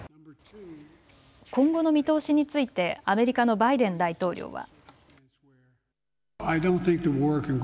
今後の見通しについてアメリカのバイデン大統領は。